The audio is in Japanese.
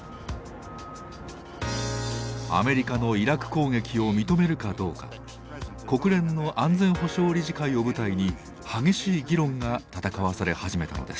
アメリカのイラク攻撃を認めるかどうか国連の安全保障理事会を舞台に激しい議論が戦わされ始めたのです。